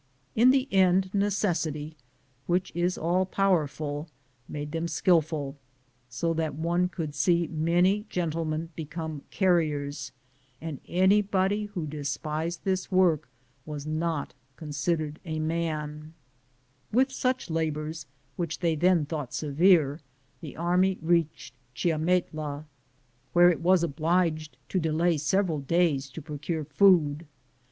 In the end necessity, which is all powerful, made them skillful, so that one could see many gentle men become carriers, and anybody who despised this work was not considered a With such labors, which they then thought severe, the army reached Chiametla, where it was obliged to delay several days to pro cure food.